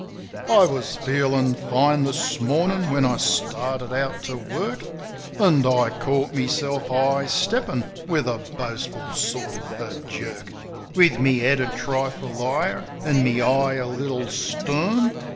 I was feelin' fine this mornin' when I started out to work; An' I caught myself high steppin' with a boastful sort of jerk; With my head a trifle higher an' my eye a little stern.